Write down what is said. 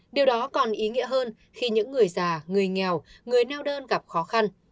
điều đó còn ý nghĩa hơn khi những người già người nghèo người neo đơn gặp khó khăn